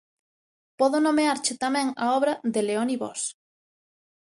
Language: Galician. Podo nomearche tamén a obra de Leoni Bos.